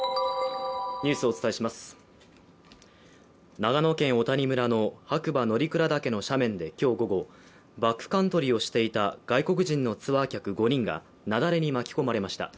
長野県小谷村の白馬乗鞍岳の斜面で今日午後バックカントリーをしていた外国人のツアー客５人が雪崩に巻き込まれました